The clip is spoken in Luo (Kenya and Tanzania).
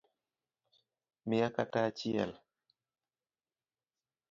Mia kata achiel